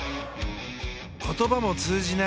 言葉も通じない